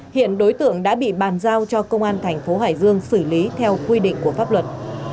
hiện đối tượng đã bị bàn giao cho công an thành phố hải dương xử lý theo quy định của pháp luật